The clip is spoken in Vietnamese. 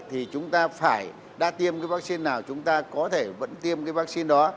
thì chúng ta phải đã tiêm cái vaccine nào chúng ta có thể vẫn tiêm cái vaccine đó